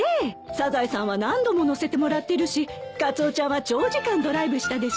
サザエさんは何度も乗せてもらってるしカツオちゃんは長時間ドライブしたでしょ？